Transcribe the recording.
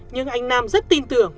nhưng anh nam rất tin tưởng